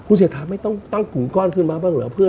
คุณเสถาไม่ต้องตั้งกลุ่มก้อนขึ้นมาบ้างหรือเปล่า